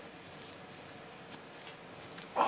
あ。